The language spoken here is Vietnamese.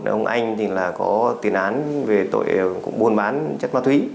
ông anh thì là có tiền án về tội buôn bán chất ma túy